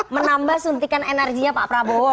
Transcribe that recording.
menambah suntikan energinya pak prabowo